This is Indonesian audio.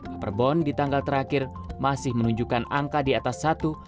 upper bond di tanggal terakhir masih menunjukkan angka di atas satu